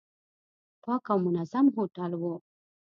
پاک او منظم هوټل و.